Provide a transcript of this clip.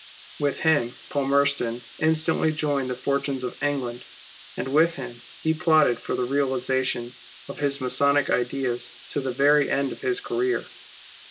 With him Palmerston instantly joined the fortunes of England, and with him he plotted for the realization of his Masonic ideas to the very end of his career.